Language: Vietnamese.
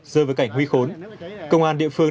dơ với cảnh huy khốn công an địa phương